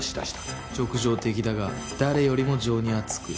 直情的だが誰よりも情に厚く。